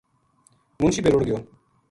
منشی بے رُڑ گیو